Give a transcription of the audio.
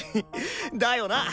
だよな！